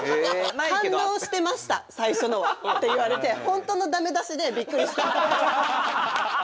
「反応してました最初のは」って言われて本当の駄目出しでびっくりした。